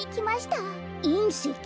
いんせき？